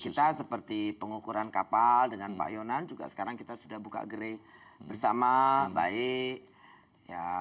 kita seperti pengukuran kapal dengan pak yonan juga sekarang kita sudah buka gere bersama baik ya